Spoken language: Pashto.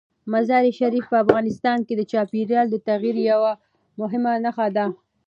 مزارشریف په افغانستان کې د چاپېریال د تغیر یوه مهمه نښه ده.